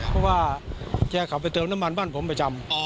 เพราะว่าแกขับไปเติมน้ำมันบ้านผมประจำ